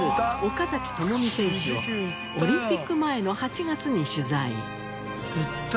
岡崎朋美選手をオリンピック前の８月に取材。